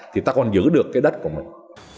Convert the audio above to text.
thì ta còn giữ được cái đất của mình